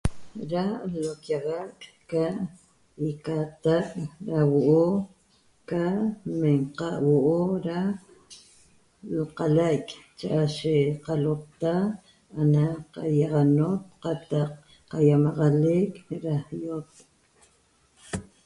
Da l'oquiaxac ca iqatac da huo'o ca lmenaqa huoo da lqalaic chaaye qalota ana qayaxanot qatac qayamaxalec da i'ot